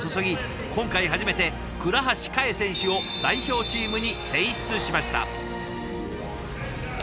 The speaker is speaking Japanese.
今回初めて倉橋香衣選手を代表チームに選出しました。